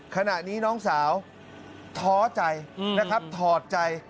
ขณะนี้น้องสาวท้อใจนะครับถอดใจ